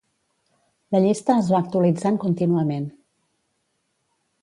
La llista es va actualitzant contínuament.